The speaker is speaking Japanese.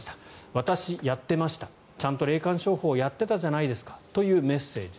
私、やってましたちゃんと霊感商法やってたじゃないですかというメッセージ。